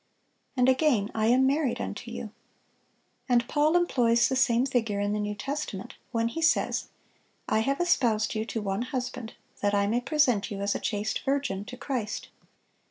(624) And again, "I am married unto you."(625) And Paul employs the same figure in the New Testament when he says, "I have espoused you to one husband, that I may present you as a chaste virgin to Christ."